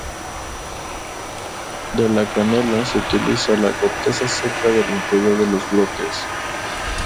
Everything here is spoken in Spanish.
De la canela se utiliza la corteza seca del interior de los brotes.